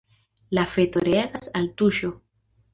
La feto reagas al tuŝo.